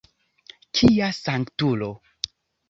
Kia sanktulo!